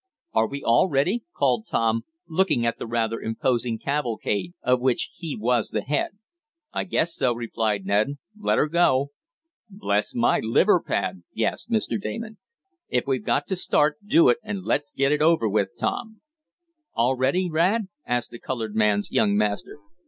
"Are we all ready?" called Tom, looking at the rather imposing cavalcade of which he was the head. "I guess so," replied Ned. "Let her go!" "Bless my liver pad!" gasped Mr. Damon. "If we've got to start do it, and let's get it over with Tom." "All ready, Rad?" asked the colored man's young master.